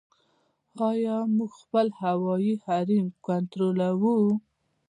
آیا موږ خپل هوایي حریم کنټرولوو؟